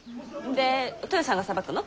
で登与さんがさばくの？